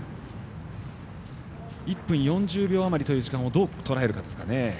１分４０秒余りという時間をどうとらえるかですね。